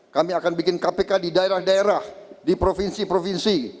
kami akan bikin kpk di daerah daerah di provinsi provinsi